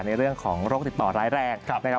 ในเรื่องของโรคติดต่อร้ายแรงนะครับ